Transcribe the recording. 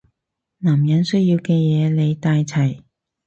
男人需要嘅嘢你帶齊